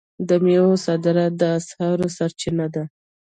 د میوو صادرات د اسعارو سرچینه ده.